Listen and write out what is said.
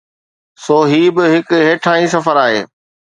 سو هي به هڪ هيٺاهين سفر آهي.